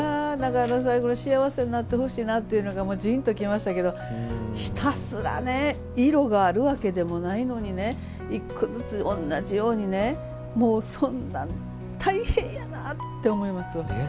幸せになってほしいなっていうのがジーンときましたけどひたすらね色があるわけでもないのに１個ずつ、同じように、そんな大変やなって思います。